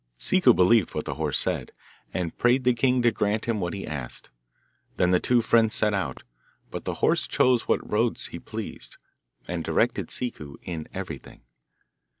Ciccu believed what the horse said, and prayed the king to grant him what he asked. Then the two friends set out, but the horse chose what roads he pleased, and directed Ciccu in everything.